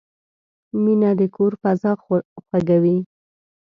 مینه د کور فضا خوږوي.